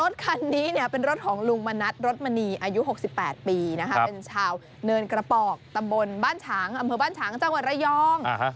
รถคันนี้เป็นรถของลุงมณัฐรถมณีอายุ๖๘ปีเป็นชาวเนินกระปอกตำบลบ้านฉางอำเภอบ้านฉางจังหวัดระยอง